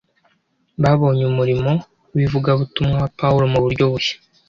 Babonye umurimo w’ivugabutumwa wa Pawulo mu buryo bushya